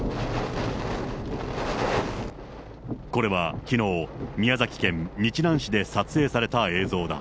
これはきのう、宮崎県日南市で撮影された映像だ。